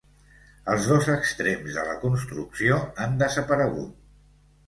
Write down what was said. Els dos extrems de la construcció han desaparegut.